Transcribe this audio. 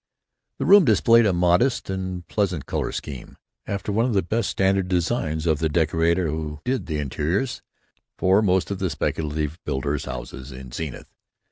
The room displayed a modest and pleasant color scheme, after one of the best standard designs of the decorator who "did the interiors" for most of the speculative builders' houses in Zenith.